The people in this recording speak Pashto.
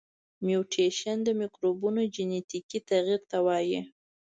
میوټیشن د مکروبونو جنیتیکي تغیر ته وایي.